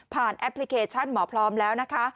แอปพลิเคชันหมอพร้อมแล้วนะคะ